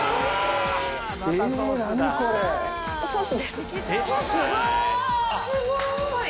すごい！